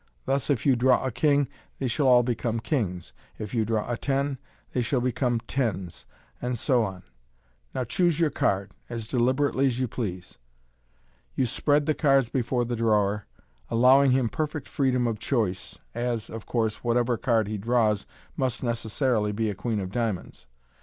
Thus, if you draw a king they shall all become kings j if you draw a ten, they shall become tens, and so on. Now, choose your card, as deliberately as you please." You spread the cards before the drawer, allowing him perfect freedom of choice, as, of course, whatever card he draws must necessarily be a queen of diamonds.